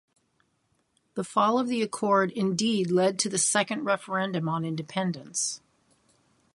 The fall of the Accord indeed led to the second referendum on independence.